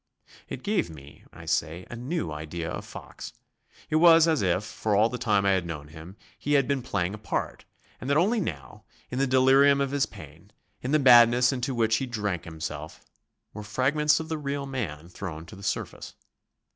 It gave me, I say, a new idea of Fox. It was as if, for all the time I had known him, he had been playing a part, and that only now, in the delirium of his pain, in the madness into which he drank himself, were fragments of the real man thrown to the surface.